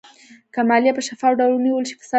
که مالیه په شفاف ډول ونیول شي، فساد کمېږي.